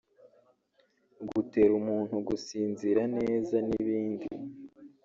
gutera umuntu gusinzira neza n’ibindi